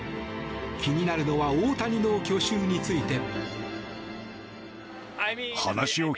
気になるのは大谷の去就について。